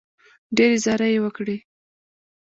ډېرې زارۍ یې وکړې.